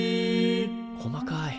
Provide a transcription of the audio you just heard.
細かい。